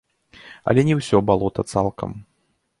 Але не ўсё балота цалкам.